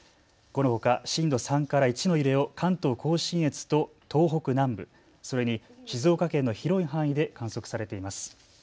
このほか震度３から１の揺れを関東甲信越と東北南部、それに静岡県の広い範囲で観測されています。